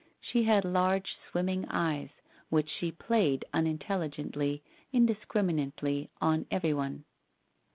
She had large swim ming eyes, which she played unintelligently, indiscrimin ately, on everyone.